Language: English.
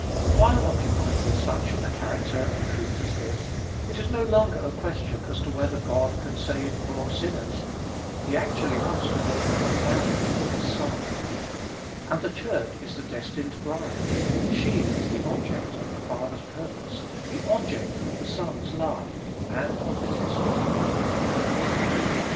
While occupied with such a character of truth as this, it is no longer a question as to whether God can save poor sinners; he actually wants to "make a marriage for his Son," and the Church is the destined bride, she is the object of the Father's purpose, the object of the Son's love, and of the testimony of the Holy Ghost.